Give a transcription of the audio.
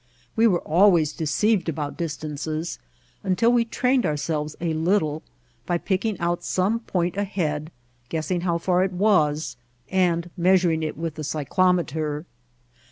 We were always deceived about distances until we trained our selves a little by picking out some point ahead, guessing how far it was, and measuring it with the cyclometer.